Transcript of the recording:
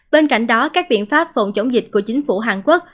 bên cạnh đó các biện pháp phòng chống dịch của chính phủ hàn quốc